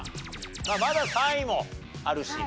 まあまだ３位もあるし。